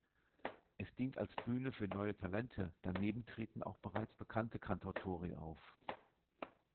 Es dient als Bühne für neue Talente, daneben treten auch bereits bekannte Cantautori auf.